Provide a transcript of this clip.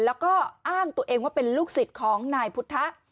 แล้วก็อ้างตัวเองว่าเป็นลูกศิษย์ของนายพุทธะ